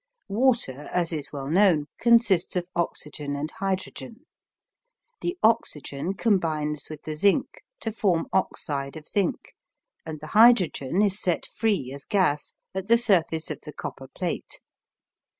Water, as is well known, consists of oxygen and hydrogen. The oxygen combines with the zinc to form oxide of zinc, and the hydrogen is set free as gas at the surface of the copper plate.